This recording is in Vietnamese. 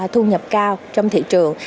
thu nhập cao trong thị trường